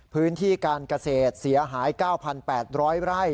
พื้นที่การเกษตรเสียหาย๙๘๐๐ไร่